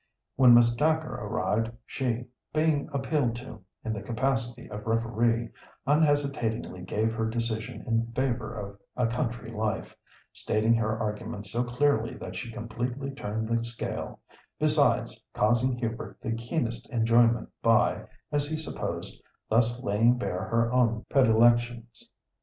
When Miss Dacre arrived, she, being appealed to, in the capacity of referee, unhesitatingly gave her decision in favour of a country life, stating her arguments so clearly that she completely turned the scale, besides causing Hubert the keenest enjoyment by, as he supposed, thus laying bare her own predilections.